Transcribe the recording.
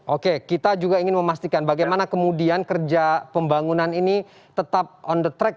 oke kita juga ingin memastikan bagaimana kemudian kerja pembangunan ini tetap on the track